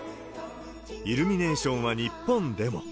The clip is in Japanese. イルミネーションは日本でも。